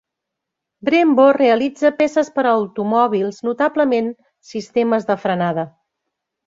Brembo realitza peces per a automòbils, notablement sistemes de frenada.